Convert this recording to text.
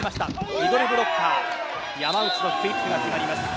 ミドルブロッカー山内のクイックが決まります。